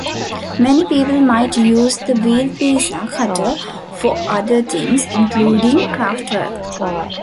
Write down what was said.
Many people might use the wheel pizza cutter for other things, including craft work.